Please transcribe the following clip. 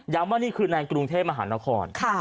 ว่านี่คือในกรุงเทพมหานคร